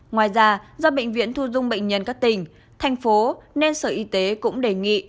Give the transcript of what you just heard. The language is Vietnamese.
ngoài ra do bệnh viện thu dung bệnh nhân các tỉnh thành phố nên sở y tế cũng đề nghị